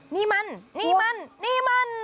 นี่มันนี่มันนี่มัน